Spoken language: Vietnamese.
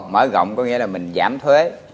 mở rộng có nghĩa là mình giảm thuế